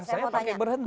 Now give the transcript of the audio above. saya pakai berhenti